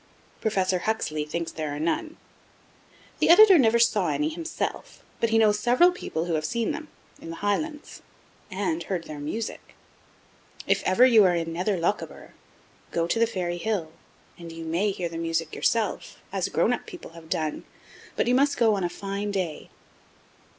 Professor Huxley thinks there are none. The Editor never saw any himself, but he knows several people who have seen them in the Highlands and heard their music. If ever you are in Nether Lochaber, go to the Fairy Hill, and you may hear the music yourself, as grown up people have done, but you must goon a fine day.